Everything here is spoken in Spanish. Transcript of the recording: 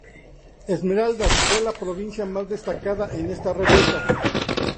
Esmeraldas fue la provincia más destacada en esta revuelta.